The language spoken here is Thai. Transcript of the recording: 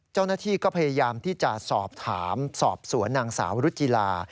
เจ้าหน้าที่ก็พยายามที่จะสอบถามสอบสวนนางสาวรุจิลา